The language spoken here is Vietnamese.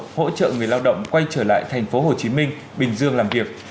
hỗ trợ người lao động quay trở lại thành phố hồ chí minh bình dương làm việc